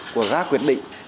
của các quyết định